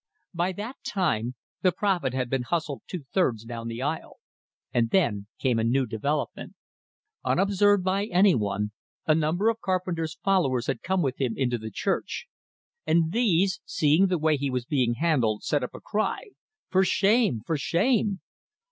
By that time, the prophet had been hustled two thirds down the aisle; and then came a new development. Unobserved by anyone, a number of Carpenter's followers had come with him into the church; and these, seeing the way he was being handled, set up a cry: "For shame! For shame!"